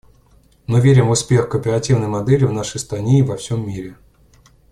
Мы верим в успех кооперативной модели в нашей стране и во всем мире.